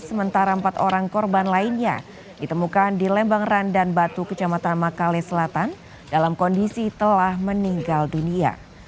sementara empat orang korban lainnya ditemukan di lembang randan batu kecamatan makale selatan dalam kondisi telah meninggal dunia